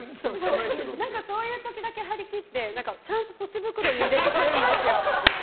そういう時だけ張り切ってちゃんとポチ袋入れてくるんですよ。